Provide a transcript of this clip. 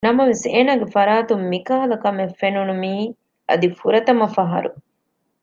ނަމަވެސް އޭނަގެ ފަރާތުން މިކަހަލަ ކަމެއް ފެނުނު މީ އަދި ފުރަތަމަ ފަހަރު